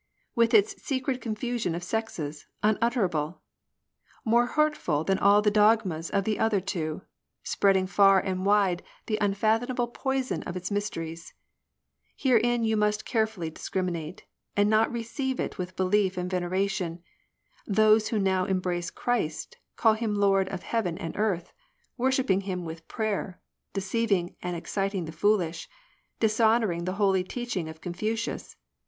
With its secret confusion of sexes, unutterable ! More hurtful than all the dogmas of the other two ; Spreading far and wide the unfathomable poison of its mysteries. Herein you must carefully discriminate, And not receive it with belief and veneration. Those who now embrace Christ Call him Lord of heaven and earth, Worshipping him with prayer, Deceiving and exciting the foolish. Dishonouring the holy teaching of Confucius.